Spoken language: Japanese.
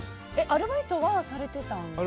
アルバイトはされていたんですか？